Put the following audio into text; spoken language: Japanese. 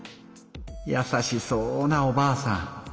やさしそうなおばあさん。